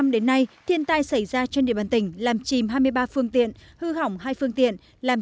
đến nay thiên tai xảy ra trên địa bàn tỉnh làm chìm hai mươi ba phương tiện hư hỏng hai phương tiện làm